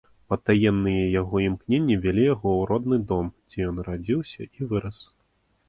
Патаемныя яго імкненні вялі яго ў родны дом, дзе ён радзіўся і вырас.